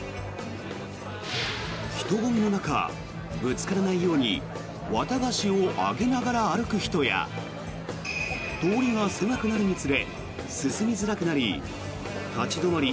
人混みの中、ぶつからないように綿菓子を上げながら歩く人や通りが狭くなるにつれ進みづらくなり立ち止まり